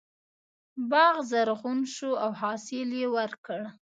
باغ زرغون شو او حاصل یې ورکړ.